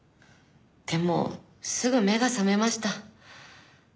でもすぐ目が覚めました。